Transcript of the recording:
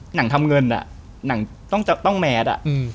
หนังทำเงินหนังต้องแมส